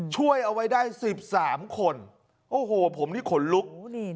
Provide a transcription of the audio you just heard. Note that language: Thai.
ช่วยเอาไว้ได้๑๓คนโอ้โหผมนี่ขนลุก